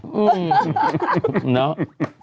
อืมเนาะ